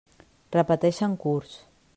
Repeteixen curs.